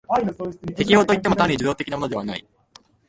適応といっても単に受動的なものでない。